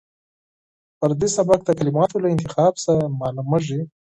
فردي سبک د کلماتو له انتخاب څخه معلومېږي.